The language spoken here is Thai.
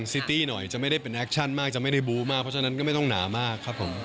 ซิตี้หน่อยจะไม่ได้เป็นแอคชั่นมากจะไม่ได้บู๊มากเพราะฉะนั้นก็ไม่ต้องหนามากครับผม